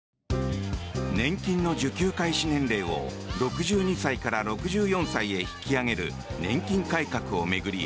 年金の受給開始年齢を６２歳から６４歳へ引き上げる年金改革を巡り